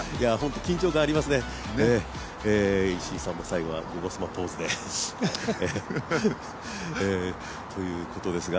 緊張感がありますね、石井さんも最後は「ゴゴスマ」ポーズでということですが。